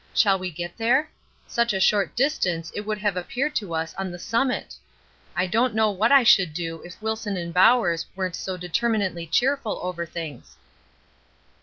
Shall we get there? Such a short distance it would have appeared to us on the summit! I don't know what I should do if Wilson and Bowers weren't so determinedly cheerful over things.